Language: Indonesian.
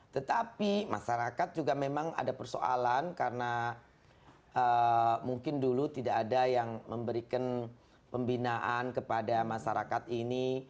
tetapi masyarakat juga memang ada persoalan karena mungkin dulu tidak ada yang memberikan pembinaan kepada masyarakat ini